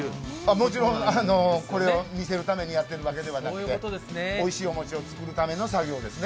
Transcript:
もちろん、これは見せるためにやっているわけではなくて、おいしいお餅を作るための作業ですね。